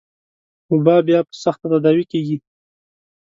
وبا بيا په سخته تداوي کېږي.